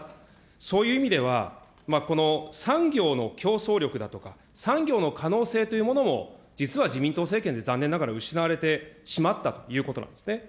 そういう意味では、この産業の競争力だとか、産業の可能性というものも、実は自民党政権で残念ながら失われてしまったということなんですね。